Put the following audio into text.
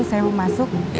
saya mau masuk